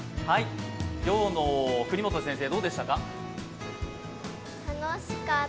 今日の國本先生、どうでしたか？